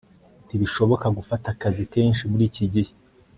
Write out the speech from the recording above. ntibishoboka gufata akazi kenshi muriki gihe